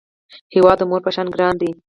هیواد د مور په شان ګران دی